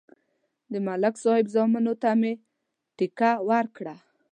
د ملک صاحب زامنو ته مې ټېکه ورکړه.